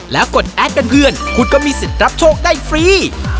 แล้วกดแอดเป็นเพื่อนคุณก็มีสิทธิ์รับโชคได้ฟรี